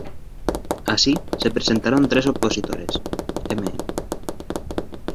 Así, se presentaron tres opositores: Mn.